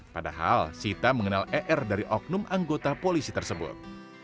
padahal sita mengenal er dari oknum anggota polisi tersebut